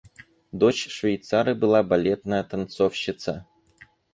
Дочь швейцара была балетная танцовщица.